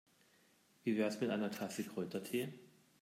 Wie wär's mit einer Tasse Kräutertee?